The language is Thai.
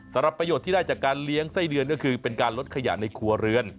สำหรับประโยชน์ที่ได้จากการเลี้ยงไส้เดือนก็คือเป็นการลดขยะในครัวเรือน